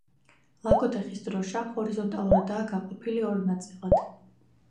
ლაგოდეხის დროშა ჰორიზონტალურადაა გაყოფილი ორ ნაწილად.